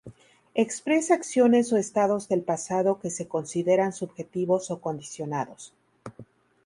Expresa acciones o estados del pasado que se consideran subjetivos o condicionados.